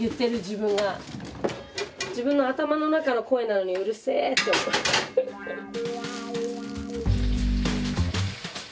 自分の頭の中の声なのにうるせって思う。